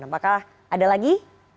apakah ada lagi